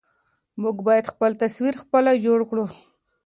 موږ بايد خپل تصوير خپله جوړ کړو.